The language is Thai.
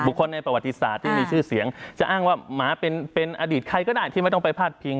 คนในประวัติศาสตร์ที่มีชื่อเสียงจะอ้างว่าหมาเป็นอดีตใครก็ได้ที่ไม่ต้องไปพาดพิง